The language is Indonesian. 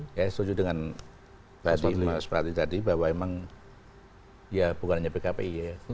saya setuju dengan pak aswadli mas fadli tadi bahwa emang ya bukan hanya pkpi ya